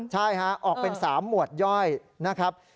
ใช่ฮะออกเป็น๓หมวดย่อยนะครับ